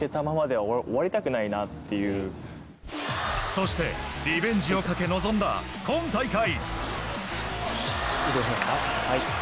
そして、リベンジをかけ臨んだ今大会。